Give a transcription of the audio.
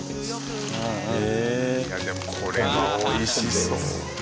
いやでもこれは美味しそう。